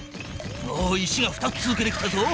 おお石が２つ続けて来たぞ。